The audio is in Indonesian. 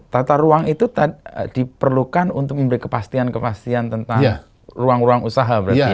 tata ruang itu diperlukan untuk memberi kepastian kepastian tentang ruang ruang usaha berarti ya